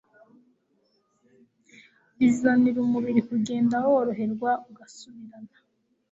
bizanira umubiri kugenda woroherwa ugasubirana